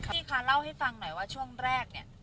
พี่คะเล่าให้ฟังหน่อยว่าช่วงแรกเนี่ย